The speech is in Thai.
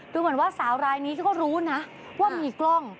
ดูเหมือนว่าสาวรายนี้ก็รู้นะว่ามีกล้อง